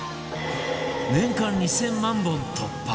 年間２０００万本突破